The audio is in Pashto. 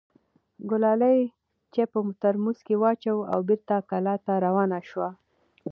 ګلالۍ چای په ترموز کې واچوه او بېرته کلا ته روانه شوه.